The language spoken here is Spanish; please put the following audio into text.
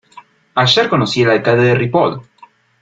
Ayer conocí el alcalde de Ripoll.